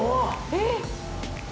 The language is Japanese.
えっ！